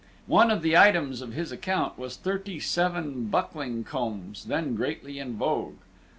One of the items of his account was thirty seven buckling combs, then greatly in vogue.